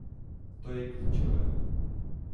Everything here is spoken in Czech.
To je klíčové.